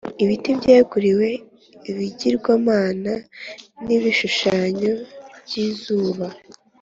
ibiti byeguriwe ibigirwamana n’ibishushanyo by’izuba,